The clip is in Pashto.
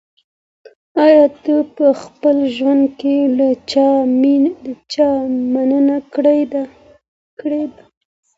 ایا ته په خپل ژوند کي له چا مننه کړې ده؟